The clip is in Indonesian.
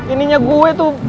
ininya gue tuh